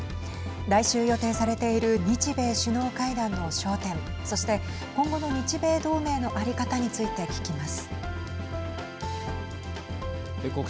来週予定されている日米首脳会談の焦点そして、今後の日米同盟の在り方について聞きます。